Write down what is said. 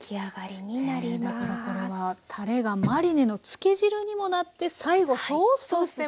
だからこれはたれがマリネの漬け汁にもなって最後ソースとしても。